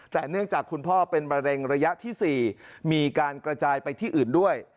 แต่เนื่องจากคุณพ่อเป็นมะเร็งระยะที่๔มีการกระจายไปที่อื่นด้วย